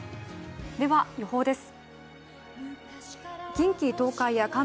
では予報です。